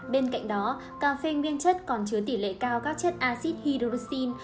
bên cạnh đó cà phê nguyên chất còn chứa tỷ lệ cao các chất acid hydroxin